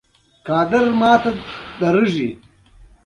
د اریتریا هېواد د ریل پټلۍ د غزولو پروژه پیل کړه.